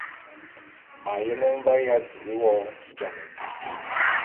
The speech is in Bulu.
M’ ayene mvae ya tili wo jam di.